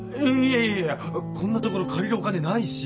いやいやこんな所借りるお金ないし。